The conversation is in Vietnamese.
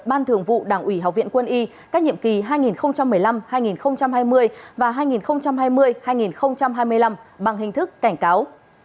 ban thường vụ đảng ủy học viện quân y các nhiệm kỳ hai nghìn một mươi năm hai nghìn hai mươi và hai nghìn hai mươi hai nghìn hai mươi năm bằng hình thức cảnh cáo